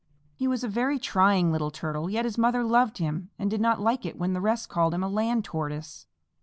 He was a very trying little Turtle, yet his mother loved him and did not like it when the rest called him a Land Tortoise.